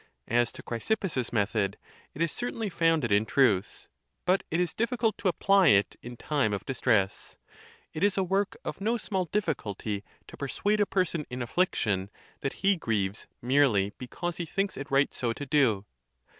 As to Chrysippus's method, it is certainly founded in truth; but it is difficult to apply it in time of distress. It is a work of no small difficulty to persuade a person in affliction that he grieves merely be cause he thinks it right so to do.